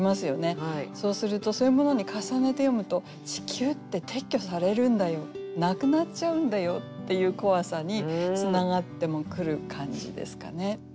そうするとそういうものに重ねて読むと地球って撤去されるんだよなくなっちゃうんだよっていう怖さにつながってもくる感じですかね。